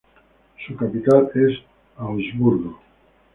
Su capital es Augsburgo.